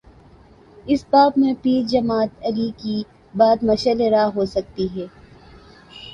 اس باب میں پیر جماعت علی کی بات مشعل راہ ہو سکتی ہے۔